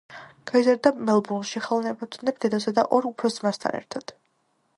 გაიზარდა მელბურნში ხელოვნებათმცოდნე დედასა და ორ უფროს ძმასთან ერთად.